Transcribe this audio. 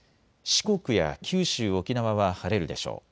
四国や九州、沖縄は晴れるでしょう。